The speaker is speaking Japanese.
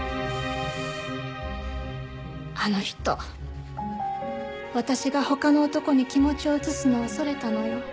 あの人私が他の男に気持ちを移すのを恐れたのよ。